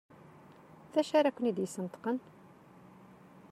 D acu ara ken-id-yesneṭqen?